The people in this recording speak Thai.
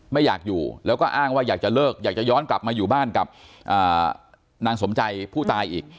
ไม่อยากอยู่แล้วก็อ้างว่าอยากจะเลิกอยากจะย้อนกลับมาอยู่บ้านกับนางสมใจผู้ตายอีก